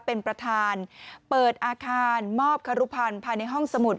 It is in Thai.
เป็นประธานเปิดอาคารมอบคารุพันธ์ภายในห้องสมุด